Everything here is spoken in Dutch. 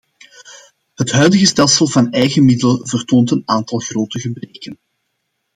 Het huidige stelsel van eigen middelen vertoont een aantal grote gebreken.